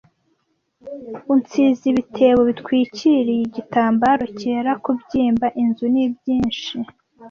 Unsize ibitebo bitwikiriye igitambaro cyera kubyimba inzu nibyinshi,